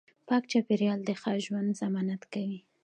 پاک چاپیریال د ښه ژوند ضمانت کوي